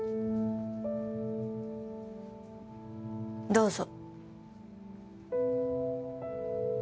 どうぞ。